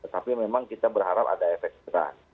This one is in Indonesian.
tapi memang kita berharap ada efek jerah